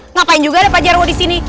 ngapain juga ada pak jarwo disini